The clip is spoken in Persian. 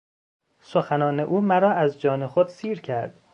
سخنان او مرا از جان خود سیر کرد.